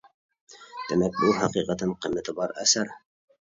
دېمەك، بۇ ھەقىقەتەن قىممىتى بار ئەسەر.